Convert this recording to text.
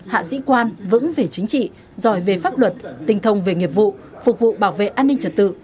hạ sĩ quan vững về chính trị giỏi về pháp luật tình thông về nghiệp vụ phục vụ bảo vệ an ninh trật tự